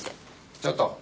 ちょっと！